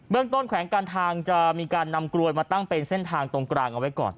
เรื่องต้นแขวงการทางจะมีการนำกลวยมาตั้งเป็นเส้นทางตรงกลางเอาไว้ก่อน